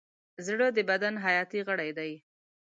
زړه د بدن حیاتي غړی دی.